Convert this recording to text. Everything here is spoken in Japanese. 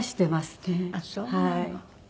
あっそうなの。